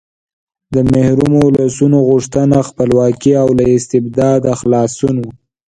د محرومو ولسونو غوښتنه خپلواکي او له استبداده خلاصون و.